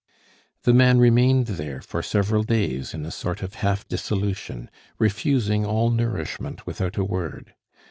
The man remained there for several days in a sort of half dissolution, refusing all nourishment without a word.